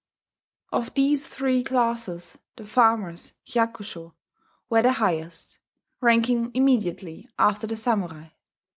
Of these three classes, the farmers (hyakusho) were the highest; ranking immediately after the samurai.